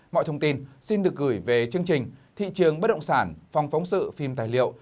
mọi thông tin xin được gửi về chương trình thị trường bất động sản phòng phóng sự phim tài liệu